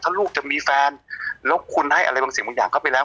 ถ้าลูกจะมีแฟนแล้วคุณให้อะไรบางสิ่งบางอย่างเข้าไปแล้ว